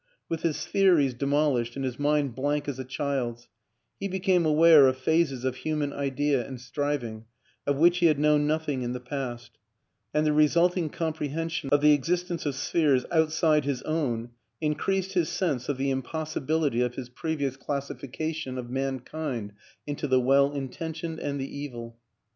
With his theories demolished and his mind blank as a child's, he became aware of phases of human idea and striving of which he had known nothing in the past, and the resulting comprehension of the existence of spheres outside his own increased his sense of the impossibility of 234 WILLIAM AN ENGLISHMAN his previous classification of mankind into the well intentioned and the evil.